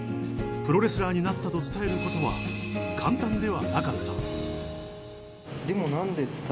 プロレスラーになったと伝えることは簡単ではなかった。